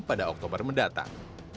pada oktober mendatang